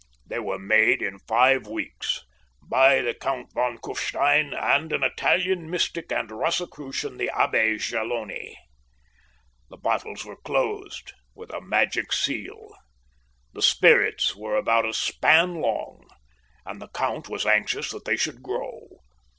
They were made in five weeks, by the Count von Küffstein and an Italian mystic and rosicrucian, the Abbé Geloni. The bottles were closed with a magic seal. The spirits were about a span long, and the Count was anxious that they should grow.